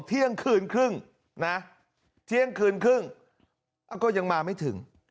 เที่ยงคืนครึ่งนะเที่ยงคืนครึ่งก็ยังมาไม่ถึง